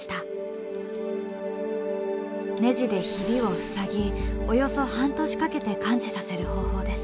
ねじでヒビを塞ぎおよそ半年かけて完治させる方法です。